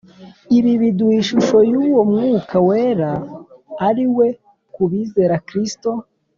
Ibi biduha ishusho y'uwo Umwuka Wera ari We ku bizera Kristo.